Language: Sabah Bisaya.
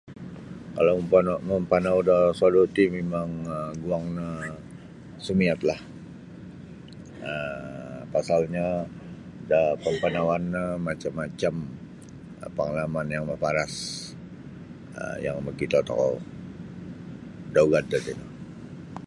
Kalau mampanu mampanau da sodu ti mimang guang no sumiatlah um pasalnyo da pampanauan no macam-macam pangalaman yang maparas um yang makito tokou da ugad tatino